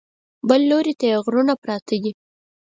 بل لوري ته یې غرونه پراته دي.